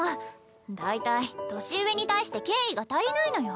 だいたい年上に対して敬意が足りないのよ